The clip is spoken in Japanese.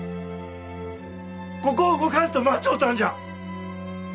ここを動かんと待ちょったんじゃ。